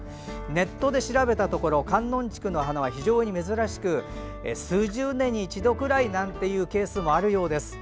ネットで調べたところカンノンチクの花は非常に珍しく数十年に一度くらいなんていうケースもあるようです。